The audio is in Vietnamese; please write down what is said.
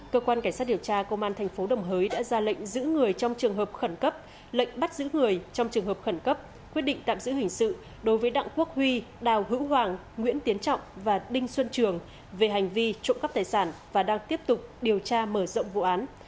cơ quan cảnh sát điều tra công an thành phố đồng hới đã ra lệnh giữ người trong trường hợp khẩn cấp lệnh bắt giữ người trong trường hợp khẩn cấp quyết định tạm giữ hình sự đối với đặng quốc huy đào hữu hoàng nguyễn tiến trọng và đinh xuân trường về hành vi trộm cắp tài sản và đang tiếp tục điều tra mở rộng vụ án